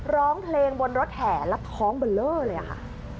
ร้องเพลงบนรถแห่แล้วท้องเบอร์เลอร์เลยค่ะ